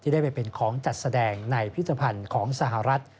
ได้ไปเป็นของจัดแสดงในพิธภัณฑ์ของสหรัฐ